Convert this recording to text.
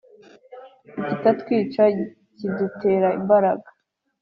ikitatwica kidutera imbaraga.